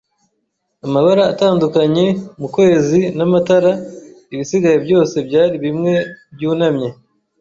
amabara atandukanye mukwezi n'amatara. Ibisigaye byose byari bimwe byunamye,